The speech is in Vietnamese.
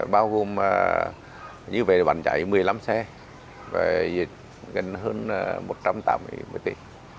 bao gồm như vậy là bản chạy một mươi năm xe và diệt gần hơn một trăm tám mươi tỷ